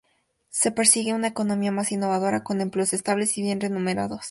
Se persigue una economía más innovadora, con empleos estables y bien remunerados.